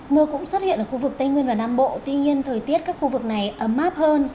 mưa cũng xuất hiện ở khu vực tây nguyên và nam bộ